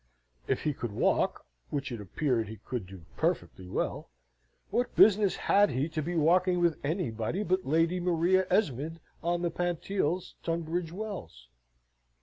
If he could walk which it appeared he could do perfectly well what business had he to be walking with anybody but Lady Maria Esmond on the Pantiles, Tunbridge Wells?